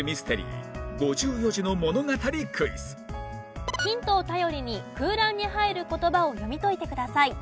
５４字の物語クイズヒントを頼りに空欄に入る言葉を読み解いてください。